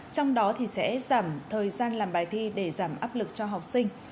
trong đó sẽ giảm thời gian làm bài thi để giảm áp lực cho học sinh